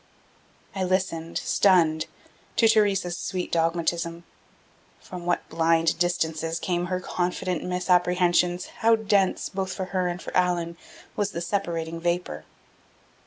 I listened, stunned, to Theresa's sweet dogmatism. From what blind distances came her confident misapprehensions, how dense, both for her and for Allan, was the separating vapor!